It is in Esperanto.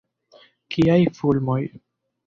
Kiaj fulmoj!